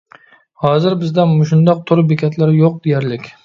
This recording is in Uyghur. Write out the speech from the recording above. ھازىر بىزدە مۇشۇنداق تور بېكەتلەر يوق دېيەرلىك.